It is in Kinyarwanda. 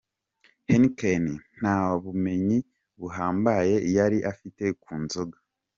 Heineken nta bumenyi buhambaye yari afite ku nzoga.